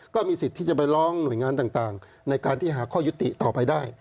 ก็มีสิทธิ์ที่จะไปร้องหน่วยงานต่างในการที่หาข้อยุติต่อไปได้